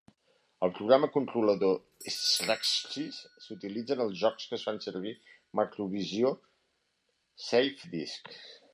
El programa controlador, secdrv.sys, s'utilitza en els jocs que fan servir Macrovision SafeDisc.